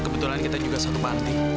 kebetulan kita juga satu panti